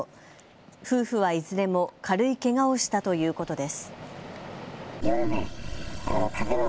夫婦はいずれも軽いけがをしたということです。